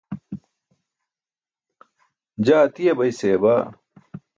Jaa atiibay seya baa.